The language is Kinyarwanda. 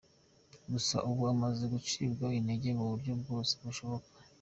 Gusa ubu umaze gucibwa intege mu buryo bwose bushoboka.